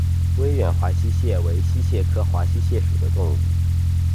威远华溪蟹为溪蟹科华溪蟹属的动物。